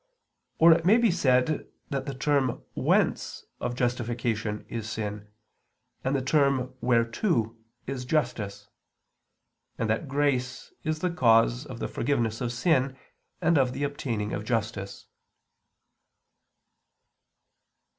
Or it may be said that the term whence of justification is sin; and the term whereto is justice; and that grace is the cause of the forgiveness of sin and of obtaining of justice.